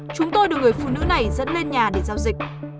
chúng tôi được người phụ nữ này dẫn lên nhà để giao dịch